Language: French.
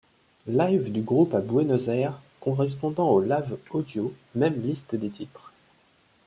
Live du groupe à Buenos Aires correspondant au live audio, même liste des titres.